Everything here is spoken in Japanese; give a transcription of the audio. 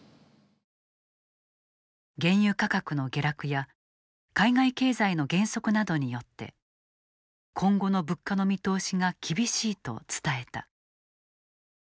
原油価格の下落や海外経済の減速などによって今後の物価の見通しが厳しいと伝えた。